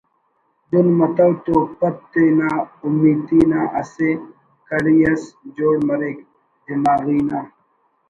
دن متو تو پد تے نا اومیتی نا اسہ کڑی اس جوڑ مریک دماغی نا